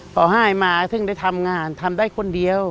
พอหายมาซึ่งได้ทำงานทำได้คนเดียว